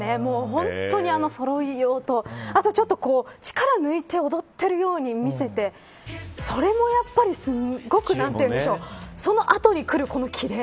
本当にあのそろいようとあとちょっと力を抜いて踊っているように見せてそれもやっぱり、すごくその後にくるキレ。